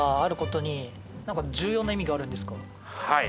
はい。